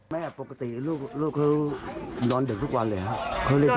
แม่ปกติลูกนอนเด็กทุกวันเลยเหรอคะ